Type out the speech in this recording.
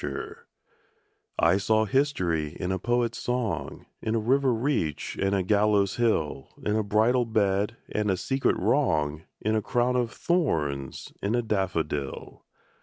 SYMBOLS I saw history in a poet's song, In a river reach and a gallows hill, In a bridal bed, and a secret wrong, In a crown of thorns: in a daffodil.